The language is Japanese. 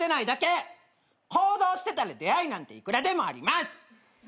行動してたら出会いなんていくらでもあります！